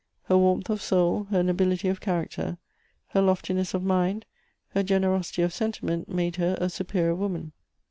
Her warmth of soul, her nobility of character, her loftiness of mind, her generosity of sentiment made her a superior woman.